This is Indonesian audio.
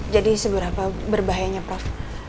jadi seberapa berbahayanya prof